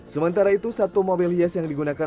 sementara itu satu mobil hias yang digunakan